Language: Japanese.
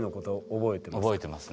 覚えてますね。